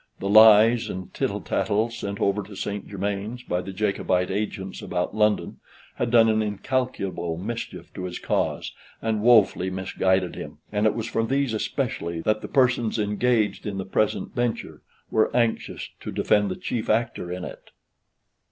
The lies and tittle tattle sent over to St. Germains by the Jacobite agents about London, had done an incalculable mischief to his cause, and wofully misguided him, and it was from these especially, that the persons engaged in the present venture were anxious to defend the chief actor in it.